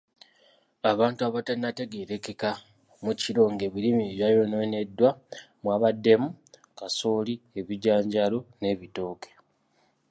Abantu abatannategeerekeka mu kiro ng'ebirime ebyayonooneddwa mwabaddemu; kasooli, ebijanjaalo n'ebitooke.